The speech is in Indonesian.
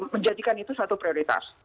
menjadikan itu satu prioritas